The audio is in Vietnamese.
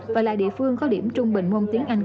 và là địa phương có điểm trung bình môn tiếng anh